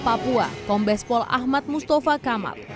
pembelda papua pembespol ahmad mustafa kamal